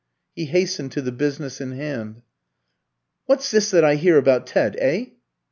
He hastened to the business in hand. "What's this that I hear about Ted, eh?"